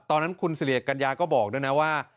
ตอนนั้นคุณสิริยกัญญาก็บอกด้วยนะว่า